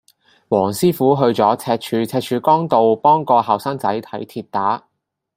黃師傅去赤柱赤柱崗道幫個後生仔睇跌打